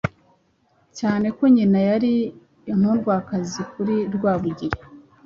cyane ko nyina yari n’inkundwakazi kuri Rwabugili.